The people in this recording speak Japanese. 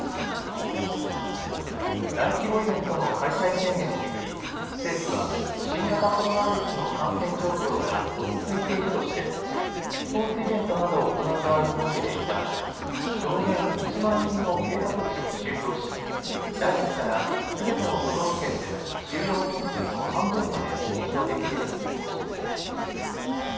大規模イベントの開催制限を巡り政府は新型コロナウイルスの感染状況が落ち着いているとしてスポーツイベントなどを行う場合に設けていた上限１万人の経過措置を終了し来月から、すべての都道府県で収容人数の半分まで入場できるようにする方針です。